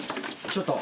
ちょっと。